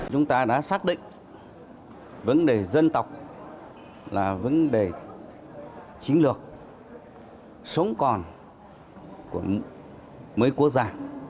chúng ta đã xác định vấn đề dân tộc là vấn đề chính lược sống còn của mấy quốc gia